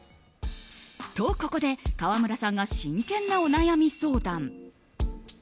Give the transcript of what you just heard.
と、ここで川村さんから真剣なお悩み相談。